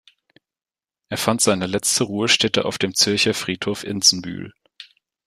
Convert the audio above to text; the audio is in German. Er fand seine letzte Ruhestätte auf dem Zürcher Friedhof Enzenbühl.